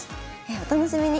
お楽しみに。